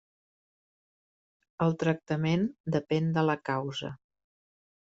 El tractament depèn de la causa.